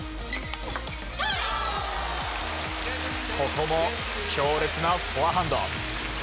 ここも強烈なフォアハンド。